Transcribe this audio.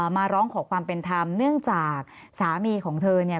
มาร้องขอความเป็นธรรมเนื่องจากสามีของเธอเนี่ย